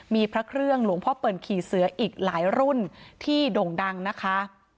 มีพระเครื่องหลวงพ่อเปิลขี่เสืออีกหลายรุ่นที่โด่งดังนะคะ